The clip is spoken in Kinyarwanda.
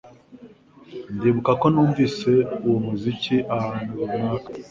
Ndibuka ko numvise uwo muziki ahantu runaka